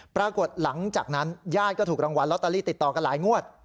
ปรากฏหลังจากนั้นญาติก็ถูกรางวัลลอตเตอรี่ติดต่อกันหลายงวด